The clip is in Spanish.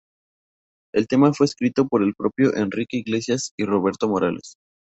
El tema fue escrito por el propio Enrique Iglesias y Roberto Morales.